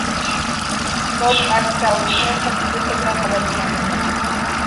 ვჰგმობ კაცსა აუგიანსა, ცრუსა და ღალატიანსა